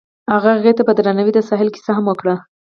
هغه هغې ته په درناوي د ساحل کیسه هم وکړه.